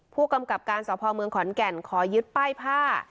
ผู้กำกับการสพเมืองขอนแก่นขอยึดป้ายผ้า